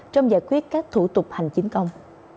trong giải quyết các thủ tục hành chính công